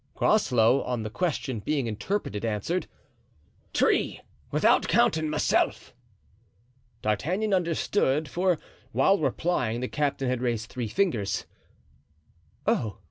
Groslow, on the question being interpreted, answered, "Three, without counting myself." D'Artagnan understood, for while replying the captain had raised three fingers. "Oh!"